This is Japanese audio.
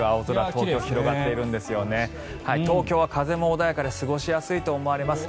東京は風も穏やかで過ごしやすいと思われます。